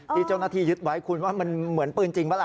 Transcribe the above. ที่เจ้าหน้าที่ยึดไว้คุณว่ามันเหมือนปืนจริงปะล่ะ